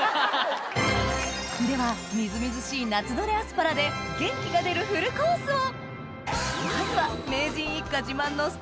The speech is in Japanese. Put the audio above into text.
では瑞々しい夏採れアスパラで元気が出るフルコースを！